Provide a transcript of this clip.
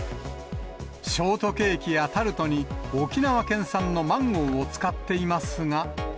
ショートケーキやタルトに沖縄県産のマンゴーを使っていますが。